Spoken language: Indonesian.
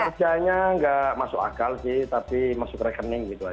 kalau percaya tidak masuk akal sih tapi masuk rekening